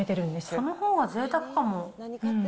そのほうがぜいたくかも。